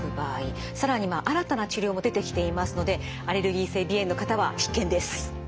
更には新たな治療も出てきていますのでアレルギー性鼻炎の方は必見です。